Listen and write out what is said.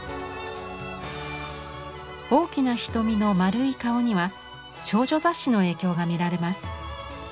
大きな瞳の丸い顔には少女雑誌の影響が見られます。